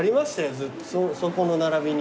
ずっとそこの並びに。